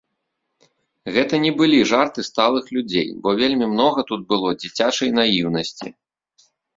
Гэта не былі жарты сталых людзей, бо вельмі многа тут было дзіцячай наіўнасці.